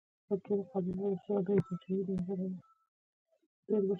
مچمچۍ د باران نه ویره لري